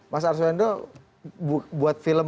mas arswendo buat film